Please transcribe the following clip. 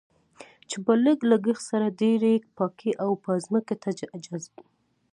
چې په لږ لګښت سره ډېرې پاکې اوبه ځمکې ته جذب.